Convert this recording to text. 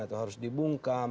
atau harus dibungkam